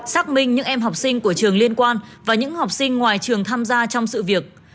xác minh những em học sinh của trường liên quan và những học sinh ngoài trường tham gia trong sự việc